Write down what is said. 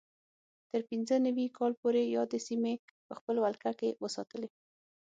تر پینځه نوي کال پورې یادې سیمې په خپل ولکه کې وساتلې.